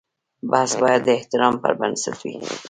بحث باید د احترام پر بنسټ وي.